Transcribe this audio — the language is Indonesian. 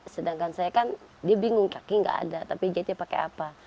sedangkan saya kan dia bingung kaki gak ada tapi jahitnya pakai apa